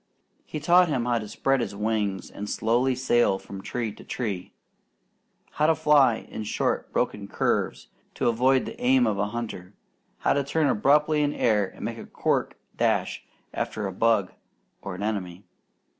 He taught him how to spread his wings and slowly sail from tree to tree; how to fly in short broken curves, to avoid the aim of a hunter; how to turn abruptly in air and make a quick dash after a bug or an enemy.